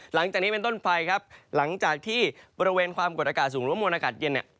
หลังจากนี้เป็นต้นไปครับหลังจากที่บริเวณความกดอากาศสูงหรือว่ามวลอากาศเย็นเนี่ย